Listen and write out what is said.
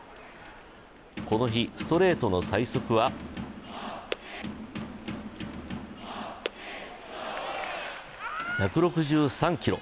この日、ストレートの最速は１６３キロ。